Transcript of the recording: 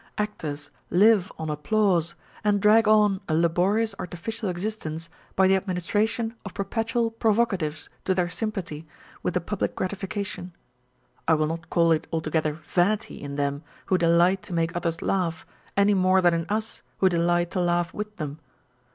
Actors live on applause, and drag on a laborious artificial existence by the administration of perpetual provocatives to their sympathy with the public gratification â€" I will not call it altogether vanity in them who delight to make others laugh, any more than in us who delight to laugh with them.